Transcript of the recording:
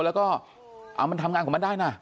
แล้วก็เอามันทำงานของมันได้นะ